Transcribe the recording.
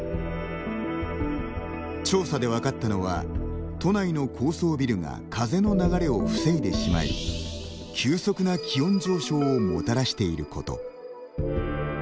調査で分かったのは都内の高層ビルが風の流れを防いでしまい急速な気温上昇をもたらしていること。